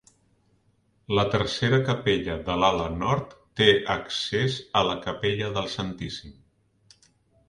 La tercera capella de l'ala nord té accés a la capella del Santíssim.